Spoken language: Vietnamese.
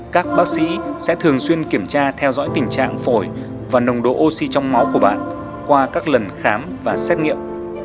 các bác sĩ sẽ thường xuyên kiểm tra theo dõi tình trạng phổi và nồng độ oxy trong máu của bạn qua các lần khám và xét nghiệm